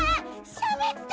しゃべった！